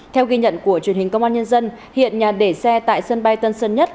theo ghi nhận của truyền hình công an nhân dân hiện nhà để xe tại sân bay tân sơn nhất